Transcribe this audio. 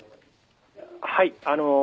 はい。